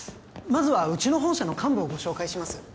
まずはうちの本社の幹部をご紹介します